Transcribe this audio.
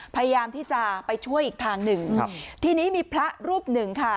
พยายามที่จะไปช่วยอีกทางหนึ่งครับทีนี้มีพระรูปหนึ่งค่ะ